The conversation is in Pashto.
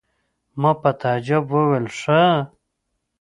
ما په تعجب وویل: ښه!